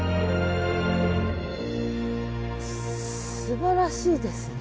すばらしいですね。